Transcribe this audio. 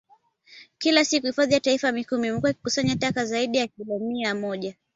Kila siku Hifadhi ya Taifa Mikumi imekuwa ikikusanya taka zaidi ya kilo mia moja